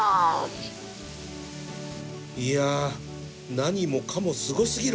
いやあ何もかもすご過ぎる